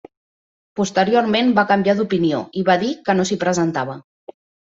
Posteriorment va canviar d'opinió, i va dir que no s'hi presentava.